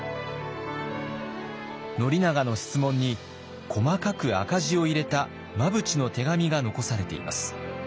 宣長の質問に細かく赤字を入れた真淵の手紙が残されています。